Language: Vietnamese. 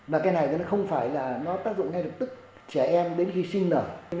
và cái này nó không phải là nó tác dụng ngay lập tức trẻ em đến khi sinh nở